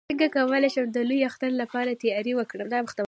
څنګه کولی شم د لوی اختر لپاره تیاری وکړم